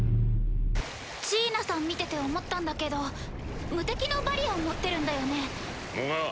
ジーナさん見てて思ったんだけど無敵のバリア持ってるんだよね？もがっ。